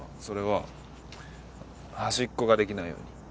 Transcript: それは端っこができないように。